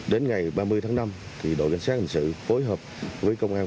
đến ngày ba mươi tháng năm đội cảnh sát hình sự phối hợp với công an